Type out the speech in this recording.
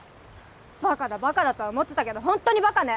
バカだバカだとは思ってたけどホントにバカね！